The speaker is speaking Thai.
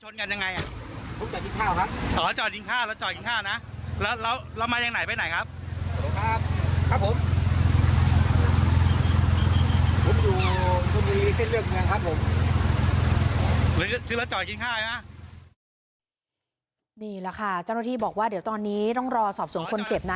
นี่แหละค่ะเจ้าหน้าที่บอกว่าเดี๋ยวตอนนี้ต้องรอสอบสวนคนเจ็บนะ